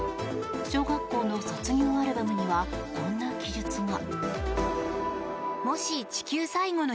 小学校の卒業アルバムにはこんな記述が。